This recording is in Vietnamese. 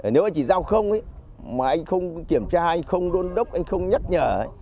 nếu anh chỉ giao không mà anh không kiểm tra anh không đôn đốc anh không nhắc nhở